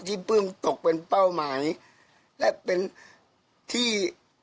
ปลื้มตกเป็นเป้าหมายและเป็นที่